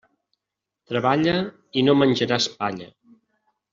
Treballa i no menjaràs palla.